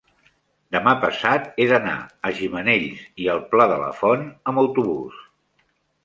demà passat he d'anar a Gimenells i el Pla de la Font amb autobús.